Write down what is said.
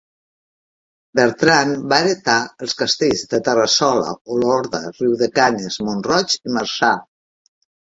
Bertran va heretar els castells de Terrassola, Olorda, Riudecanyes, Mont-roig i Marçà.